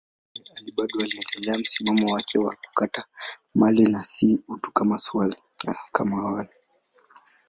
Mzee Ali bado aliendelea msimamo wake wa kutaka mali na si utu kama awali.